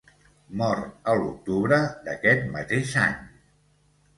Mor a l'octubre d'aquest mateix any.